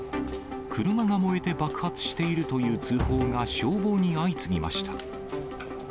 車が燃えて爆発しているという通報が消防に相次ぎました。